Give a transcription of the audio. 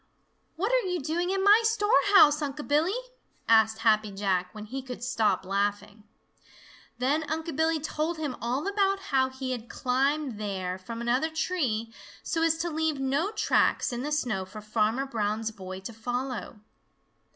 "What are you doing in my storehouse, Unc' Billy?" asked Happy Jack, when he could stop laughing. Then Unc' Billy told him all about how he had climbed there from another tree, so as to leave no tracks in the snow for Farmer Brown's boy to follow.